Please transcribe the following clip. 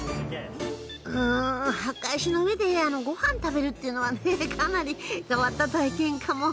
うん墓石の上で御飯食べるっていうのはねかなり変わった体験かも。